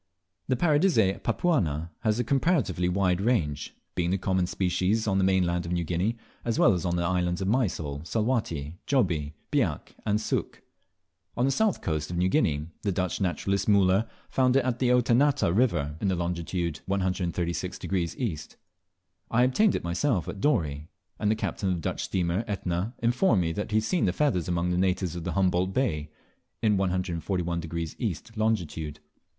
The Paradisea papuana has a comparatively wide range, being the common species on the mainland of New Guinea, as well as on the islands of Mysol, Salwatty, Jobie, Biak and Sook. On the south coast of New Guinea, the Dutch naturalist, Muller, found it at the Oetanata river in longitude 136° E. I obtained it myself at Dorey; and the captain of the Dutch steamer Etna informed me that he had seen the feathers among the natives of Humboldt Bay, in 141° E. longitude.